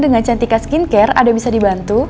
dengan cantika skincare anda bisa dibantu